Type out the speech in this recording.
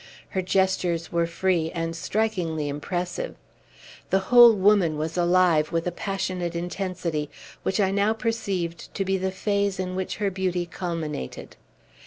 Her gestures were free, and strikingly impressive. The whole woman was alive with a passionate intensity, which I now perceived to be the phase in which her beauty culminated.